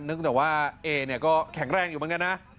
แต่ว่าเอเนี่ยก็แข็งแรงอยู่เหมือนกันนะ